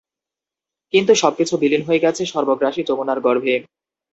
কিন্তু সবকিছু বিলীন হয়ে গেছে সর্বগ্রাসী যমুনার গর্ভে।